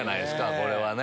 これはね。